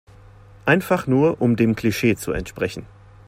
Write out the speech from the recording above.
Einfach nur um dem Klischee zu entsprechen.